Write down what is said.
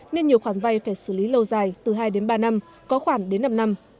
nên nhiều khoản vay phải xử lý lâu dài từ hai đến ba năm có khoản đến năm năm